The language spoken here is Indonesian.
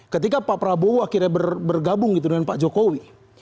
ketika pak prabowo akhirnya bergabung gitu dengan pak jokowi